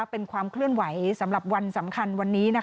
เป็นความเคลื่อนไหวสำหรับวันสำคัญวันนี้